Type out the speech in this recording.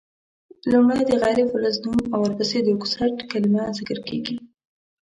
لومړی د غیر فلز نوم او ورپسي د اکسایډ کلمه ذکر کیږي.